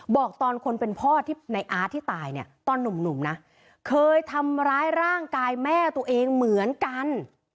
บอกตอนคนเป็นพ่อที่ในอาร์ตที่ตายเนี่ยตอนหนุ่มนะเคยทำร้ายร่างกายแม่ตัวเองเหมือนกัน